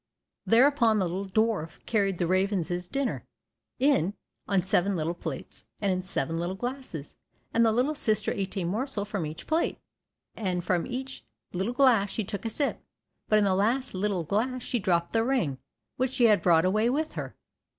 Thereupon the little dwarf carried the ravens' dinner in, on seven little plates, and in seven little glasses, and the little sister ate a morsel from each plate, and from each little glass she took a sip, but in the last little glass she dropped the ring which she had brought away with her.